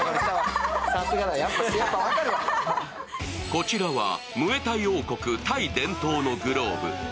こちらはムエタイ王国・タイ伝統のグローブ。